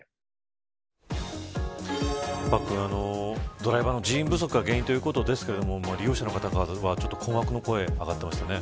ドライバーの人員不足が原因ですが利用者の方からは困惑の声が上がっていましたね。